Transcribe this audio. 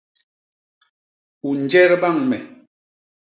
U njet bañ me!